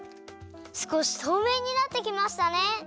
すこしとうめいになってきましたね！